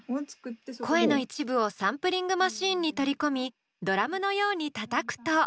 声の一部をサンプリングマシーンに取り込みドラムのようにたたくと。